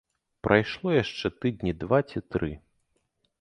Прайшло яшчэ тыдні два ці тры.